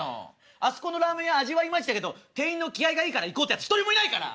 「あそこのラーメン屋味はいまいちだけど店員の気合いがいいから行こう」ってやつ一人もいないから！